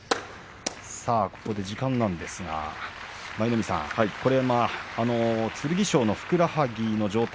ここで時間ですが舞の海さん剣翔のふくらはぎの状態